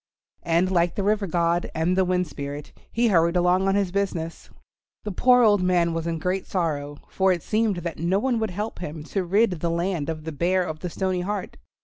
And like the River God and the Wind Spirit he hurried along on his business. The poor old man was in great sorrow, for it seemed that no one would help him to rid the land of Bear of the Stony Heart.